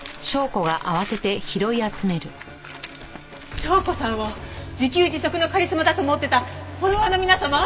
紹子さんを自給自足のカリスマだと思ってたフォロワーの皆様。